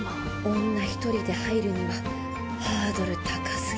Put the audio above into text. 女一人で入るにはハードル高すぎ。